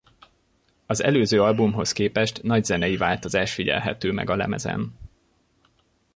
Az előző albumhoz képest nagy zenei változás figyelhető meg a lemezen.